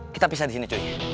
kita pisah di sini cuy